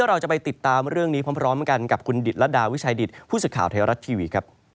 เราจะไปติดตามเรื่องนี้พร้อมพร้อมกันกับคุณดิษฐ์และดาวิชัยดิษฐ์ผู้สึกข่าวไทยรัตน์ทีวี